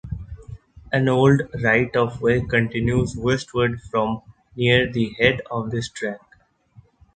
An old right of way continues westwards from near the head of this track.